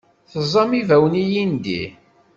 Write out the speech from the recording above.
Teẓẓam ibawen ilindi?